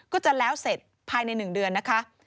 ก็จะแล้วเสร็จภายใน๑เดือนนะคะ